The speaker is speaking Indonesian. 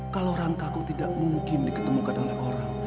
kalau rangkaku tidak mungkin diketemukan oleh orang